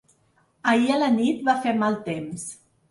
Ahir a la nit va fer mal temps.